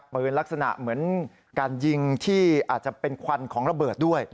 ลักษณะเหมือนการยิงที่อาจจะเป็นควันของระเบิดด้วย